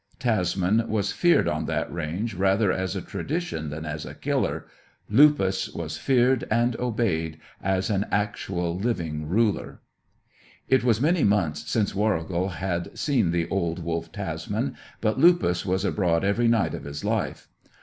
Tasman was feared on that range rather as a tradition than as a killer; Lupus was feared and obeyed as an actual, living ruler. It was many months since Warrigal had seen the old wolf Tasman, but Lupus was abroad every night of his life.